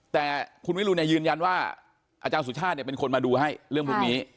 แต่คุณวิรุณยืนยันว่าอาจารย์สุชาติเป็นคนมาดูให้เรื่องพวกนี้